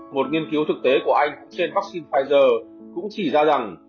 một nghiên cứu thực tế của anh trên vaccine pfizer cũng chỉ ra rằng